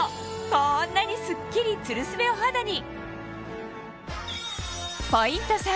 こんなにスッキリツルスベお肌に！